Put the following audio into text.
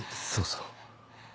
そうそう。